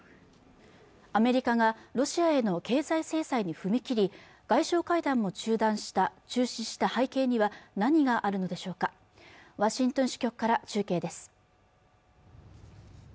アメリカがロシアへの経済制裁に踏み切り外相会談も中止した背景には何があるのでしょうかワシントン支局から中継です